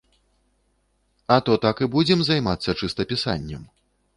А то так і будзем займацца чыстапісаннем.